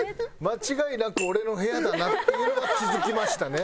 間違いなく俺の部屋だなっていうのは気付きましたね。